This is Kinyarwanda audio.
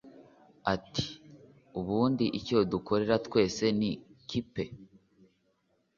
ati ubundi icyo dukorera twese ni kipe